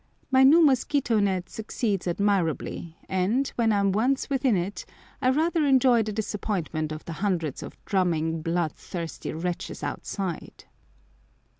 My new mosquito net succeeds admirably, and, when I am once within it, I rather enjoy the disappointment of the hundreds of drumming blood thirsty wretches outside.